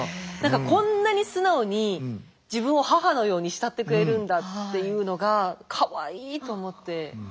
こんなに素直に自分を母のように慕ってくれるんだっていうのがかわいいと思って演じてました。